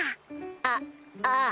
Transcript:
あっああ。